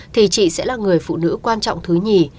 thì chị sẽ là người phụ nữ quan trọng thứ nhì